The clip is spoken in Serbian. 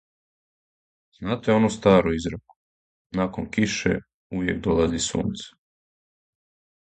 Знате ону стару изреку -- након кише увијек долази сунце.